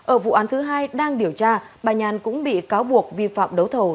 ở vụ án thứ hai đang điều tra bà nhàn cũng bị cáo buộc vi phạm đấu thầu